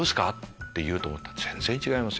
って言うと思ったら全然違いますよ。